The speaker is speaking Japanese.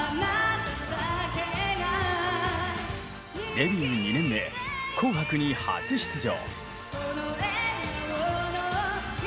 デビュー２年目「紅白」に初出場。